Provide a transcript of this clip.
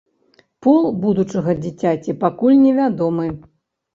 Пол будучага дзіцяці пакуль невядомы.